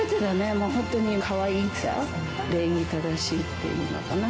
もう本当にかわいさ、礼儀正しいっていうのかな。